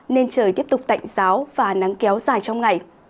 nên trời tiếp tục tạnh giáo và nắng kéo dài trong ngày